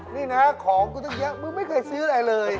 นี่นะของกูตั้งเยอะมึงไม่เคยซื้ออะไรเลย